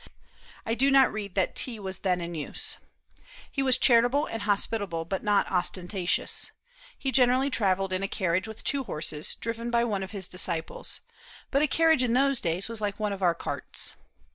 I do not read that tea was then in use. He was charitable and hospitable, but not ostentatious. He generally travelled in a carriage with two horses, driven by one of his disciples; but a carriage in those days was like one of our carts.